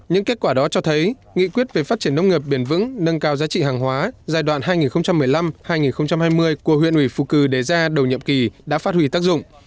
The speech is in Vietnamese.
những kết quả đó cho thấy nghị quyết về phát triển nông nghiệp bền vững nâng cao giá trị hàng hóa giai đoạn hai nghìn một mươi năm hai nghìn hai mươi của huyện ủy phù cử đề ra đầu nhiệm kỳ đã phát huy tác dụng